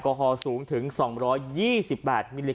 ก็แค่มีเรื่องเดียวให้มันพอแค่นี้เถอะ